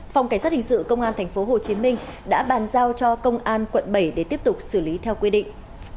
phòng cảnh sát hình sự công an tp hcm đã bàn giao cho công an quận bảy để tiếp tục xử lý theo quy định